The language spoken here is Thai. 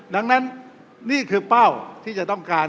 ดังนั้นนี่คือเป้าที่จะต้องการ